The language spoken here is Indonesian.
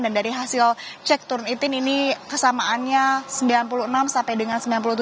dan dari hasil cek turun itin ini kesamaannya sembilan puluh enam sampai dengan sembilan puluh tujuh